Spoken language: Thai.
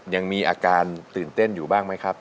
ยังมีอาการตื่นเต้นอยู่บ้างไหมครับ